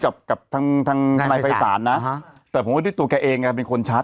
กับกับทางทางทนายไฟศาลนะอ่าฮะแต่ผมว่าที่ตัวแกเองอ่ะเป็นคนชัด